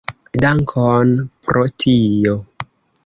Dankon pro tio.